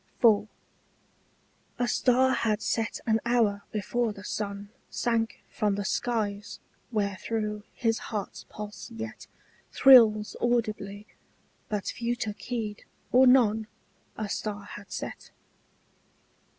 IV. A star had set an hour before the sun Sank from the skies wherethrough his heart's pulse yet Thrills audibly: but few took heed, or none, A star had set.